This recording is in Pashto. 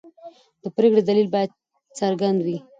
د پرېکړې دلیل باید څرګند وي.